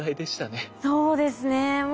そうですね。